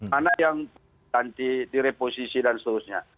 mana yang nanti direposisi dan seterusnya